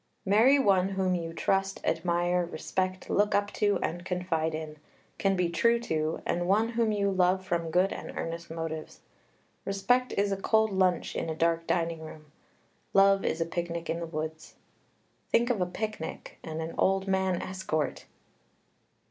Marry one whom you trust, admire, respect, look up to, and confide in, can be true to, and one whom you love from good and earnest motives. "Respect is a cold lunch in a dark dining room. Love is a picnic in the woods." Think of a picnic and an old man escort!